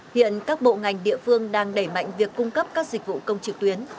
hiện các bộ ngành địa phương đang đẩy mạnh việc cung cấp các dịch vụ công trực tuyến